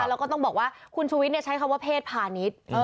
แล้วก็ต้องบอกว่าคุณชุวิตใช้คำว่าเพศผ่านิต